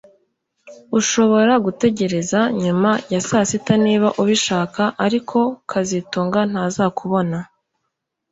Urashobora gutegereza nyuma ya saa sita niba ubishaka ariko kazitunga ntazakubona